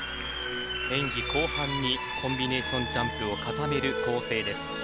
演技後半にコンビネーションジャンプを固める構成です。